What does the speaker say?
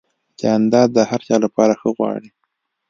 جانداد د هر چا لپاره ښه غواړي.